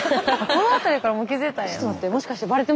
この辺りからもう気付いたんや。